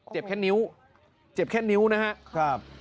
เจ็บแค่นิ้วนะครับ